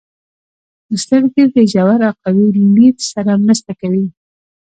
• سترګې د ژور او قوي لید سره مرسته کوي.